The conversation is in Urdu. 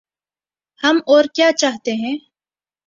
ہم اور کیا چاہتے ہیں۔